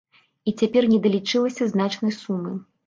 І цяпер недалічылася значнай сумы.